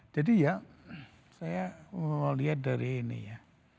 jadi ya saya mau lihat dari ini ya